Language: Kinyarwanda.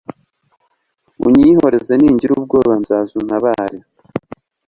unyihoreze; ningira ubwoba, nzaza untabare